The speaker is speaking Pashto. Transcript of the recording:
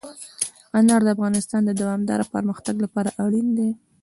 انار د افغانستان د دوامداره پرمختګ لپاره اړین دي.